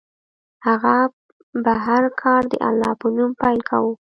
هغه به هر کار د الله په نوم پیل کاوه.